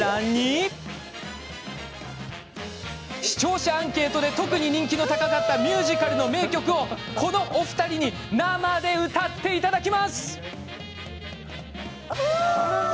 視聴者アンケートで特に人気の高かったミュージカルの名曲をこのお二人が生で歌ってくれます。